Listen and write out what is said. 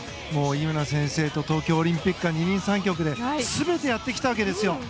井村先生と東京オリンピックは二人三脚で全てやってきたわけですよ。